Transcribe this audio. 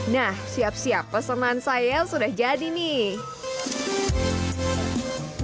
nah siap siap peseman saya sudah jadi nih